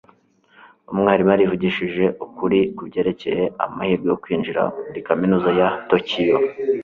umwarimu yarivugishije ukuri kubyerekeye amahirwe yo kwinjira muri kaminuza ya tokiyo